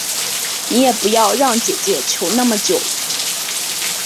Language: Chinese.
你也不要让姐姐求那么久